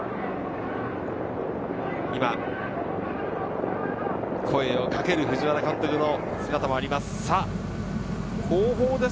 今、声をかける藤原監督の姿もあります。